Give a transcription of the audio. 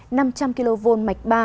năm trăm linh kv mạch đường dây